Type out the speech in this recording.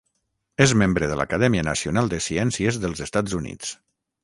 És membre de l'Acadèmia Nacional de Ciències dels Estats Units.